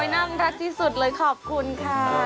น่ารักที่สุดเลยขอบคุณค่ะ